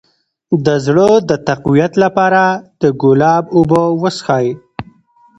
د زړه د تقویت لپاره د ګلاب اوبه وڅښئ